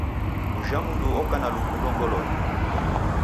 Ojha mdu oka na lukundo ngolonyi.